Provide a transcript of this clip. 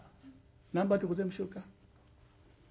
何番でございましょうか？